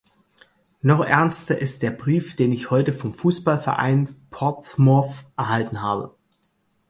Noch ernster ist der Brief, den ich heute vom Fußballverein Portsmouth erhalten habe.